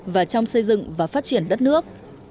và trong xây dựng và phát triển đất nước